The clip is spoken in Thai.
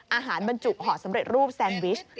อาหารบรรจุหอสำเร็จรูปแซนวิช